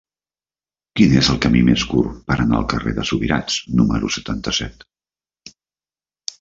Quin és el camí més curt per anar al carrer de Subirats número setanta-set?